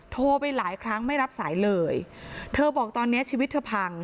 โทรไปหลายครั้งไม่รับสายเลยเธอบอกตอนเนี้ยชีวิตเธอพัง